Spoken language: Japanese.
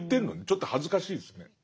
ちょっと恥ずかしいですね。